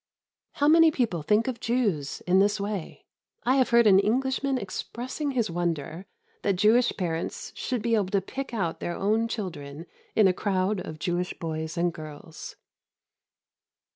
How many people think of Jews in this way! I have heard an Englishman expressing his wonder that Jewish parents should be able to pick out their own children in a crowd of Jewish boys and girls.